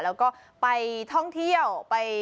แล้วก็ไปท่องเที่ยวไปกราบไหว้สิ่งศักดิ์สิทธิ์